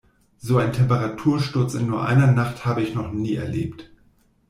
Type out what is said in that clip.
So einen Temperatursturz in nur einer Nacht habe ich noch nie erlebt.